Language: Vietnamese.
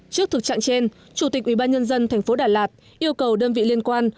trước thực trạng trên chủ tịch ubnd tp đà lạt yêu cầu đơn vị liên quan